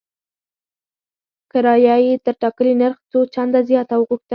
کرایه یې تر ټاکلي نرخ څو چنده زیاته وغوښته.